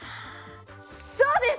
そうです！